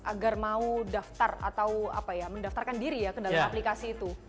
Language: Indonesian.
agar mau daftar atau mendaftarkan diri ya ke dalam aplikasi itu